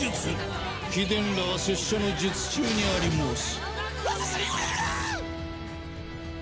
貴殿らは拙者の術中にあり申す。